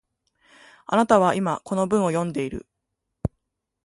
あなたは今、この文を読んでいる